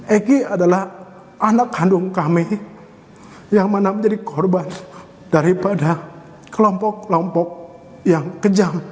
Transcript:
egy adalah anak kandung kami yang mana menjadi korban daripada kelompok kelompok yang kejam